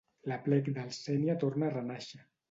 L’Aplec del Sénia torna a renàixer.